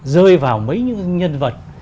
rơi vào mấy nhân vật